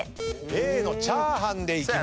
Ａのチャーハンでいきます。